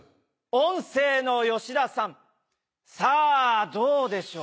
音声の吉田さんさぁどうでしょう？